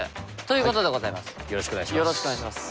よろしくお願いします。